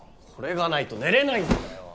これがないと寝れないんだよ！